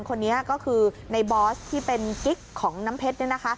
คนนี้ก็คือในบอสที่เป็นกิ๊กของน้ำเพชร